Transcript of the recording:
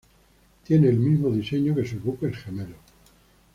Tiene el mismo diseño que sus buques gemelos.